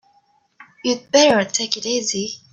You'd better take it easy.